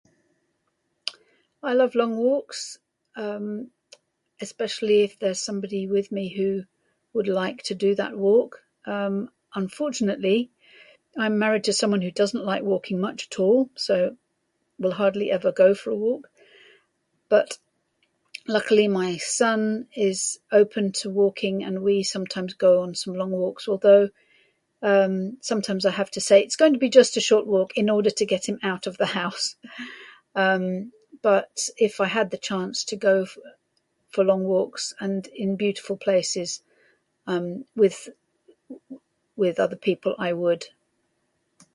"I love long walks, um, especially if there's somebody with me who would like to do that walk. Um, unfortunately, I'm married to someone who doesn't like walking much at all, so will hardly ever go for a walk. But, luckily, my son is open to walking and we sometimes go on some long walks. Although, um, sometimes I have to say, ""It's gonna be just a short walk."" in order to get him out of the house. Um, but if I had the chance to go f- for long walks, and in beautiful places, um, with with other people, I would."